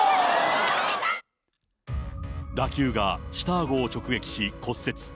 打球が下あごを直撃し、骨折。